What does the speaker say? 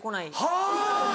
はぁ！